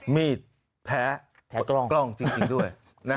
มีดแพ้กล้องจริงด้วย